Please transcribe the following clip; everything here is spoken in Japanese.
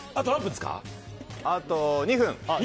あと２分。